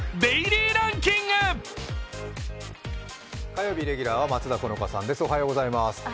火曜日レギュラーは松田好花さんです。